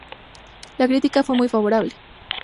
La crítica fue muy favorable.